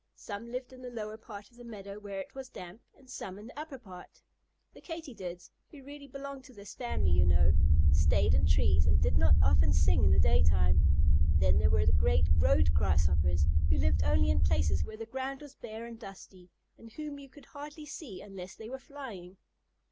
Some lived in the lower part of the meadow where it was damp, and some in the upper part. The Katydids, who really belong to this family, you know, stayed in trees and did not often sing in the daytime. Then there were the great Road Grasshoppers who lived only in places where the ground was bare and dusty, and whom you could hardly see unless they were flying.